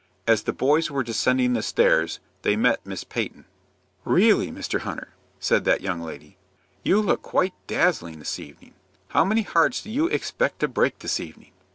As the boys were descending the stairs they met Miss Peyton. "Really, Mr. Hunter," said that young lady, "you look quite dazzling this evening. How many hearts do you expect to break this evening?"